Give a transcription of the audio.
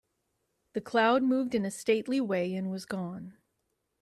The cloud moved in a stately way and was gone.